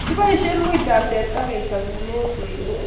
Kiboishen muitop teta ke chobune kweinik